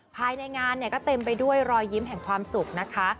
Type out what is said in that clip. ภายในงานเนี่ยก็เต็มไปด้วยรอยยิ้มแห่งความสุขนะคะ